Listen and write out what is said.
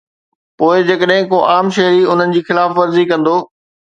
پوءِ جيڪڏهن ڪو عام شهري انهن جي خلاف ورزي ڪندو.